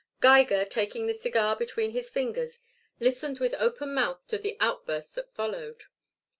Geiger, taking the cigar between his fingers, listened with open mouth to the outburst that followed.